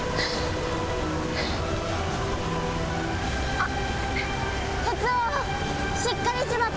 あっ！